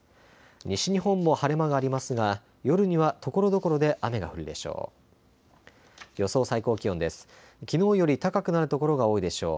西日本も晴れ間がありますが夜にはところどころで雨が降るでしょう。